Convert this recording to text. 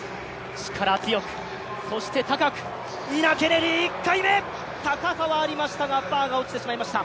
力強く、そして高く、ニナ・ケネディ１回目、高さはありましたが、バーは落ちてしまいました。